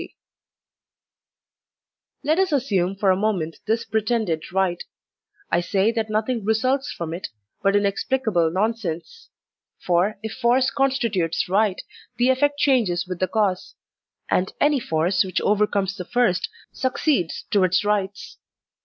SLAVERY 7 Let us assume for a moment this pretended right I say that nothing results from it but inexplicable non sense; for if force constitutes right, the effect changes with the cause, and any force which overcomes the first succeeds to its rights.